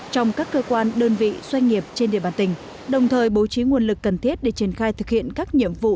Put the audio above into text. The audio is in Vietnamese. trong các cơ quan đơn vị doanh nghiệp trên địa bàn tỉnh đồng thời bố trí nguồn lực cần thiết để triển khai thực hiện các nhiệm vụ